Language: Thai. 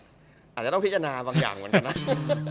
อาจจะต้องพิจารณาบางอย่างเหมือนกันนะ